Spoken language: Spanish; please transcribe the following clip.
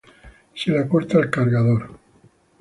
Se le acorta el cargador.